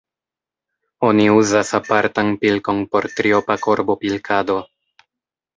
Oni uzas apartan pilkon por triopa korbopilkado.